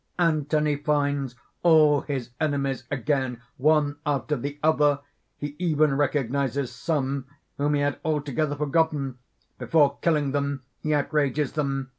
_ _Anthony finds all his enemies again, one after the other. He even recognizes some whom he had altogether forgotten; before killing them he outrages them.